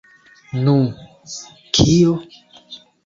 Nu... kio?